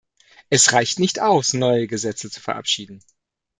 Es reicht nicht aus, neue Gesetze zu verabschieden.